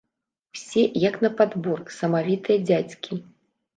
Усе, як на падбор, самавітыя дзядзькі.